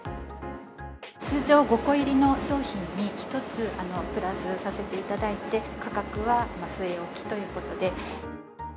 通常、５個入りの商品に１つプラスさせていただいて、価格は据え置きということで。